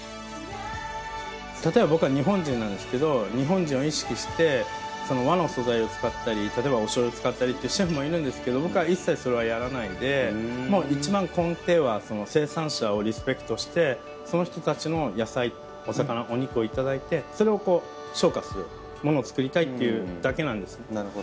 例えば僕は日本人なんですけど日本人を意識して和の素材を使ったり例えばお醤油を使ったりってシェフもいるんですけど僕は一切それはやらないで一番根底は生産者をリスペクトしてその人たちの野菜お魚お肉を頂いてそれを昇華するものを作りたいっていうだけなんですね。